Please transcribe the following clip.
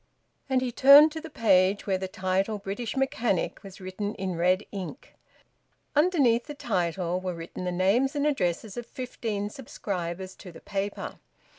And he turned to the page where the title `British Mechanic' was written in red ink. Underneath that title were written the names and addresses of fifteen subscribers to the paper.